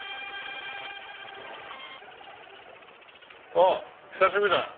おう久しぶりだな。